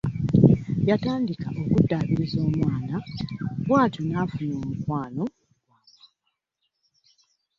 Yatandika okuddaabiriza omwana bw'atyo n’afuna omukwano gwa maama.